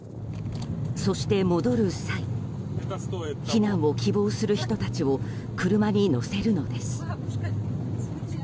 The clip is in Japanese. そして、戻る際避難を希望する人たちを車に乗せるのです。